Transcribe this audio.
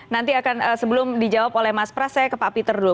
nanti akan sebelum dijawab oleh mas pras saya ke pak peter dulu